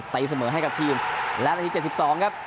ตะอี้เสมอให้กับทีมและนาทีเจ็บสิบสองครับ